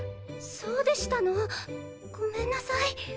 そうでしたのごめんなさい。